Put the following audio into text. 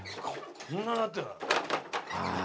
こんななってる。